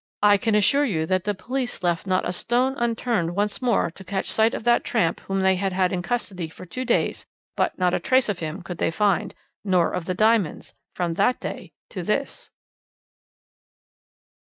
"I can assure you that the police left not a stone unturned once more to catch sight of that tramp whom they had had in custody for two days, but not a trace of him could they find, nor of the diamonds, from that day to this."